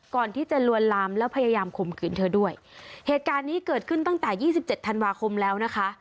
ก่อนที่จะลวนลามแล้วพยายามข่มขืนเธอด้วยเหตุการณ์นี้เกิดขึ้นตั้งแต่ยี่สิบเจ็ดธันวาคมแล้วนะคะ